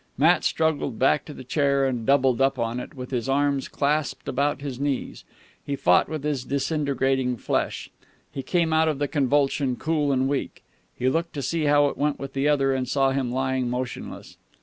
Matt struggled back to the chair, and, doubled up on it, with his arms clasped about his knees, he fought with his disintegrating flesh. He came out of the convulsion cool and weak. He looked to see how it went with the other, and saw him lying motionless.